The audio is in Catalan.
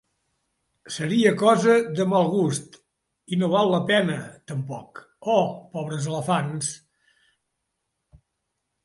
Seria cosa de mal gust. I no val la pena, tampoc. Oh, pobres elefants!